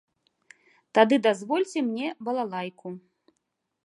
Тады дазвольце мне балалайку.